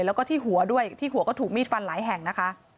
แล้วก็ที่หัวด้วยที่หัวก็ถูกมีดฟันหลายแห่งนะคะ